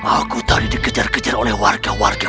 aku tadi dikejar kejar oleh warga warga